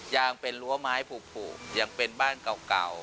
ยางเป็นรั้วไม้ผูกยังเป็นบ้านเก่า